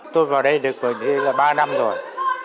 tôi vào đây được bởi đây là ba năm rồi